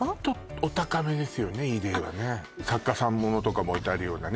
お高めですよねイデーはね作家さんものとかも置いてあるようなね